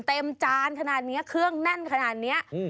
จานขนาดนี้เครื่องแน่นขนาดนี้